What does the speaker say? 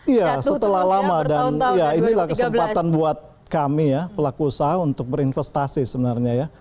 iya setelah lama dan ya inilah kesempatan buat kami ya pelaku usaha untuk berinvestasi sebenarnya ya